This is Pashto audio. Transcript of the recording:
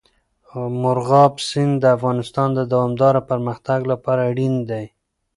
مورغاب سیند د افغانستان د دوامداره پرمختګ لپاره اړین دی.